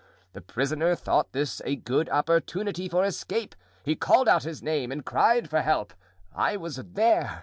The prisoner thought this a good opportunity for escape; he called out his name and cried for help. I was there.